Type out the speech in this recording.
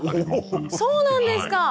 そうなんですか。